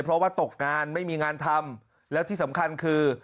เพราะว่าตกงานไม่มีงานทำแล้วที่สำคัญคือ